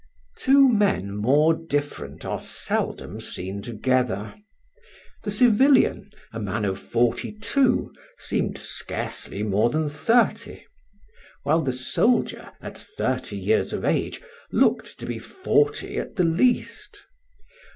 Two men more different are seldom seen together. The civilian, a man of forty two, seemed scarcely more than thirty; while the soldier, at thirty years of age, looked to be forty at the least.